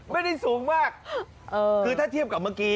ไม่ได้สูงมากคือถ้าเทียบกับเมื่อกี้